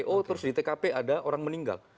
oh terus di tkp ada orang meninggal